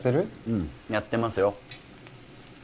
うんやってますよ